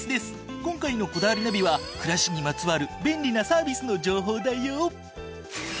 今回の『こだわりナビ』は暮らしにまつわる便利なサービスの情報だよ。